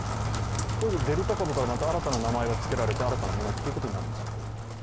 デルタ株からまた新たな名前がつけられて新たなものということになるんですか？